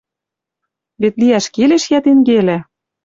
«Вет лиӓш келеш йӓ тенгелӓ!